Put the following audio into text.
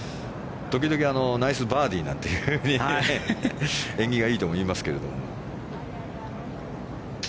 時々ナイスバーディーなんていうふうに縁起がいいともいいますけども。